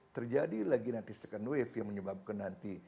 terjadi lagi nanti second wave yang menyebabkan nanti